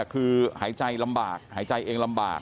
คือหายใจลำบากหายใจเองลำบาก